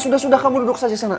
sudah sudah kamu duduk saja sana